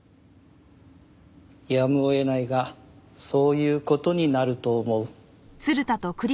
やむを得ないがそういう事になると思う。